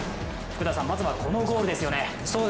福田さん、まずはこのゴールですよね。